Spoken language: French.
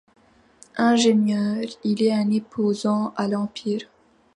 Ingénieur, il est un opposant à l'Empire.